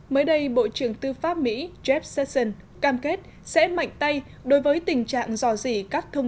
mới đây bộ trưởng tư pháp mỹ jake sasson cam kết sẽ mạnh tay đối với tình trạng dò dỉ các thông